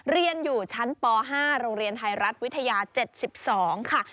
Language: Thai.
เรียนอยู่ชั้นป๕โรงเรียนไทยรัฐวิทยา๗๒ค่ะ